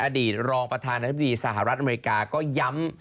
อดีตรองประธานาธิบดีสหรัฐอเมริกาก็ย้ำ